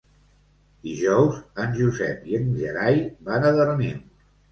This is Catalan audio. Dijous en Josep i en Gerai van a Darnius.